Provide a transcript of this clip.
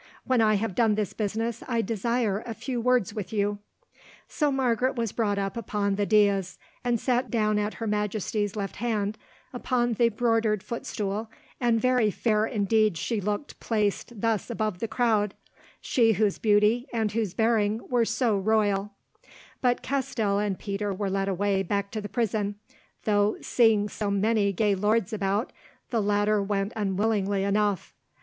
"When I have done this business I desire a few words with you." So Margaret was brought up upon the dais, and sat down at her Majesty's left hand upon the broidered footstool, and very fair indeed she looked placed thus above the crowd, she whose beauty and whose bearing were so royal; but Castell and Peter were led away back to the prison, though, seeing so many gay lords about, the latter went unwillingly enough.